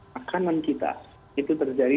makanan kita itu terjadi